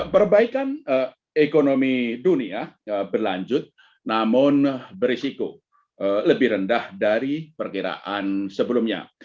perbaikan ekonomi dunia berlanjut namun berisiko lebih rendah dari perkiraan sebelumnya